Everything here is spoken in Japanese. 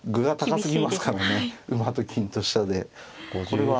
これは。